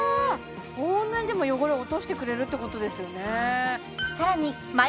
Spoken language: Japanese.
こんなにでも汚れを落としてくれるってことですよね